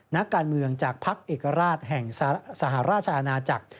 นักการเมืองจากภักดิ์เอกราชแห่งสหราชอาณาจักร